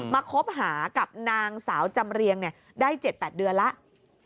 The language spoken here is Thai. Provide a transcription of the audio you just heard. คบหากับนางสาวจำเรียงได้๗๘เดือนแล้ว